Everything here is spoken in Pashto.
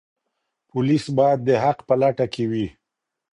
پولیس باید د حق په لټه کې وي.